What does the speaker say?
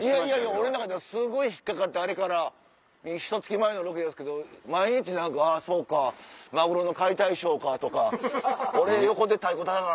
俺の中ではすごい引っ掛かってひと月前のロケですけど毎日あぁそうかマグロの解体ショーか！とか横で太鼓たたかな